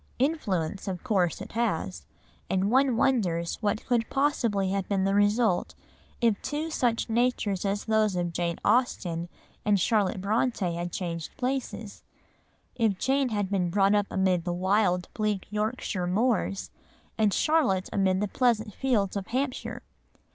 Influence of course it has, and one wonders what could possibly have been the result if two such natures as those of Jane Austen and Charlotte Brontë had changed places; if Jane had been brought up amid the wild, bleak Yorkshire moors, and Charlotte amid the pleasant fields of Hampshire.